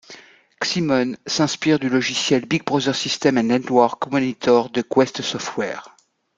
Xymon s'inspire du logiciel Big Brother System and Network Monitor de Quest Software.